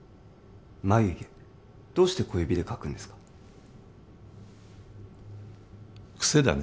眉毛どうして小指でかくんですかクセだね